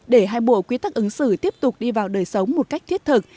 để hai bộ quy tắc ứng xử tiếp tục đi vào đời sống một cách thiết thực